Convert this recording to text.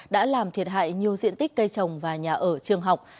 đã làm thiệt hại nhiều diện tích cây trồng và nhà ở trường học